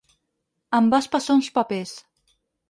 Em vas passar uns papers.